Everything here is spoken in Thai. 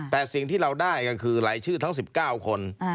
แต่สิ่งที่เราได้ก็คือรายชื่อทั้ง๑๙คน